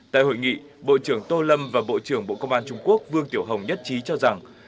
tại hội nghị bộ trưởng tô lâm và bộ trưởng bộ công an trung quốc vương tiểu hồng nhất trí cho rằng